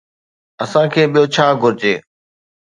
اسان کي ٻيو ڇا گهرجي؟